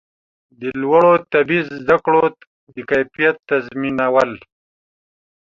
د لوړو طبي زده کړو د کیفیت تضمینول